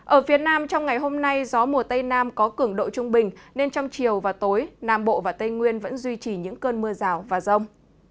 ở phía nam trong ngày hôm nay gió mùa tây nam có cường độ trung bình nên trong chiều và tối nam bộ và tây nguyên vẫn duy trì những cơn mưa rào và rông